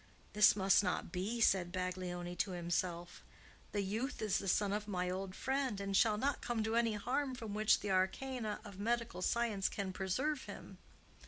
"This must not be," said Baglioni to himself. "The youth is the son of my old friend, and shall not come to any harm from which the arcana of medical science can preserve him.